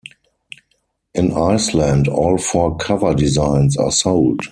In Iceland, all four cover designs are sold.